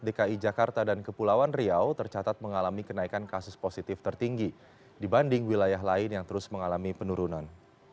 dki jakarta dan kepulauan riau tercatat mengalami kenaikan kasus positif tertinggi dibanding wilayah lain yang terus mengalami penurunan